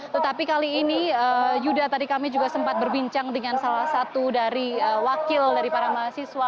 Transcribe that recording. tetapi kali ini yuda tadi kami juga sempat berbincang dengan salah satu dari wakil dari para mahasiswa